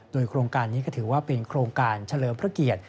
โดยโครงการนี้ก็ถือว่าเป็นโครงการเฉลิมพระเกียรติ